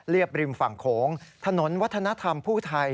บริมฝั่งโขงถนนวัฒนธรรมผู้ไทย